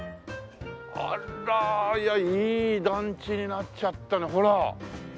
あらいやいい団地になっちゃったねほら。